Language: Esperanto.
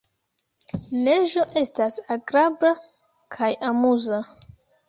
Neĝo estas agrabla kaj amuza.